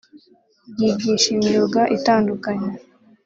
ryigisha imyuga itandukanye